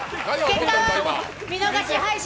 結果は見逃し配信